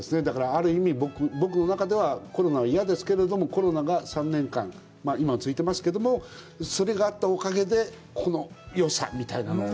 ある意味、僕の中ではコロナは嫌ですけれども、コロナが３年間、今も続いてますけども、それがあったおかげでこのよさみたいなのを。